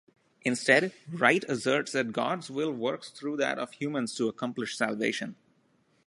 Instead, Wright asserts that God's will works through that of humans to accomplish salvation.